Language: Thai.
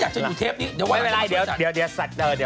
เห็นพอดีหรือ